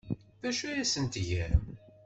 D acu ay asent-tgam?